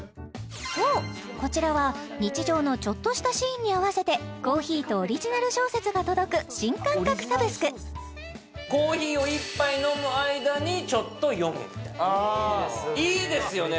そうこちらは日常のちょっとしたシーンに合わせてコーヒーとオリジナル小説が届く新感覚サブスクコーヒーを１杯飲む間にちょっと読むみたいないいですよね